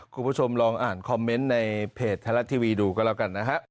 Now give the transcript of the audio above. คุณผู้ชมลองอ่านคอมเมนต์ในเพจไทยรัฐทีวีดูก็แล้วกันนะฮะ